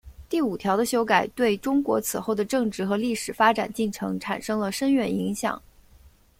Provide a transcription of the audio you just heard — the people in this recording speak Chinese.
第五条的修改对中国此后的政治和历史发展进程产生了深远影响。